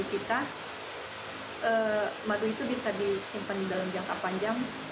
untuk kita madu itu bisa disimpan dalam jangka panjang